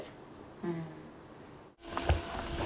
うん。